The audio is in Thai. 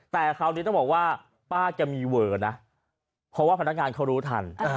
แต่คราวนี้ต้องบอกว่าป้าแกมีเวอร์นะเพราะว่าพนักงานเขารู้ทัน